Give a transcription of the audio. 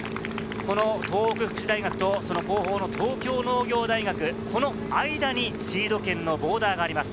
この東北福祉大学と後方の東京農業大学、この間にシード権のボーダーがあります。